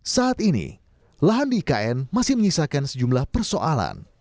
saat ini lahan di ikn masih menyisakan sejumlah persoalan